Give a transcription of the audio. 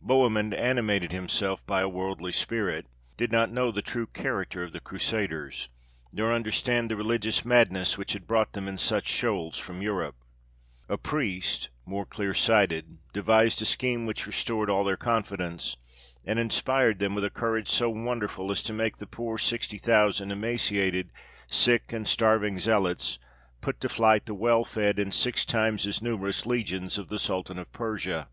Bohemund, animated himself by a worldly spirit, did not know the true character of the Crusaders, nor understand the religious madness which had brought them in such shoals from Europe. A priest, more clear sighted, devised a scheme which restored all their confidence, and inspired them with a courage so wonderful as to make the poor sixty thousand emaciated, sick, and starving zealots put to flight the well fed and six times as numerous legions of the Sultan of Persia.